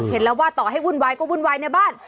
เห็นแล้วว่าต่อให้วุ่นวายก็วุ่นวายในบ้าน